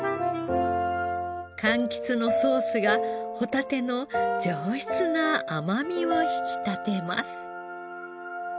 柑橘のソースがホタテの上質な甘みを引き立てます。